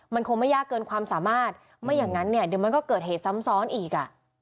มันคงไม่ยากเกินความสามารถไม่อย่างนั้นเนี่ยเดี๋ยวมันก็เกิดเหตุซ้ำซ้อนอีกอ่ะ